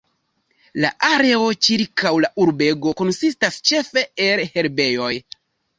La areo ĉirkaŭ la urbego konsistas ĉefe el herbejoj.